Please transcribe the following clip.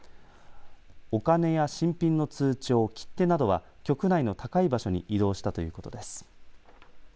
お金や新品の通帳、切手などは局内の高い場所に移動したということです。